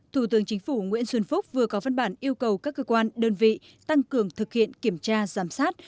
thủ tướng chính phủ nguyễn xuân phúc vừa có văn bản yêu cầu các cơ quan đơn vị tăng cường thực hiện kiểm tra giám sát